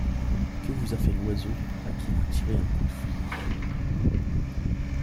Que vous a fait l’oiseau à qui vous tirez un coup de fusil?